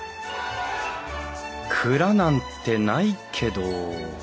蔵なんてないけど？